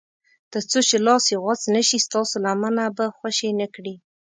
تر څو چې لاس یې غوڅ نه شي ستاسو لمنه به خوشي نه کړي.